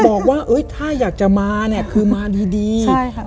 บอกว่าเอ้ยถ้าอยากจะมาเนี่ยคือมาดีดีใช่ค่ะ